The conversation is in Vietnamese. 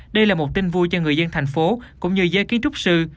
đây là một tin vui cho người dân thành phố cũng như giới kiến trúc sư